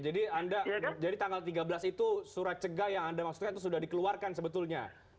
jadi tanggal tiga belas itu surat tegah yang anda maksudkan itu sudah dikeluarkan sebetulnya